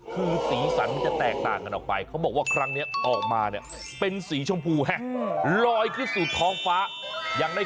คือสีสันจะแตกต่างกันออกไป